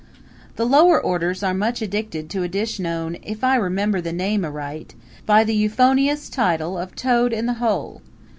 The lower orders are much addicted to a dish known if I remember the name aright by the euphonious title of Toad in the Hole.